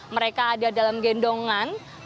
mereka ada dalam gendongan